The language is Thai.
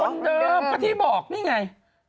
คนเดิมก็ที่บอกนี่ไง